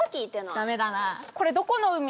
これどこの海？